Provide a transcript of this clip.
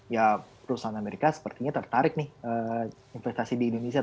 ya perusahaan amerika sepertinya tertarik nih investasi di indonesia